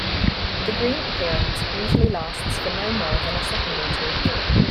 The green appearance usually lasts for no more than a second or two.